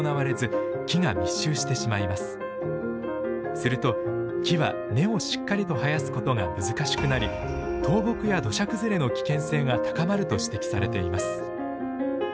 すると木は根をしっかりと生やすことが難しくなり倒木や土砂崩れの危険性が高まると指摘されています。